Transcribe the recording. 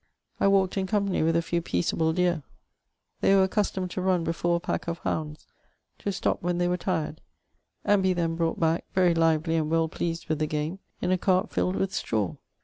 I walked in company with a few peaceable deer ; they were accustomed to run before a pack of nounds, to stop when they were tired, and be then brought back, very lively and well pleased with the game, in a cart filled with straw.